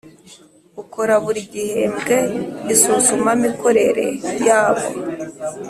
ukora buri gihembwe isuzumamikorere yabo